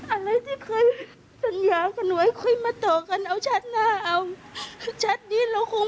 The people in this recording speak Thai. อะไรที่เคยสัญญากันไว้ค่อยมาต่อกันเอาชัดหน้าเอาแชทนี้เราคง